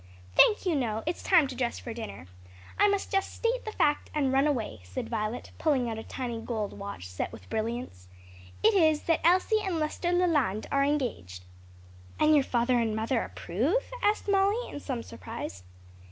"Thank you, no; it's time to dress for dinner. I must just state the fact and run away," said Violet, pulling out a tiny gold watch set with brilliants. "It is that Elsie and Lester Leland are engaged." "And your father and mother approve?" asked Molly in some surprise.